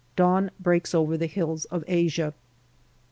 Dawn breaks over the hills of Asia.